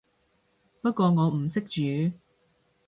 不過我唔識煮